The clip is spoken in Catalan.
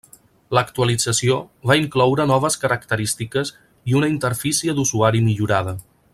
L'actualització va incloure noves característiques i una interfície d'usuari millorada.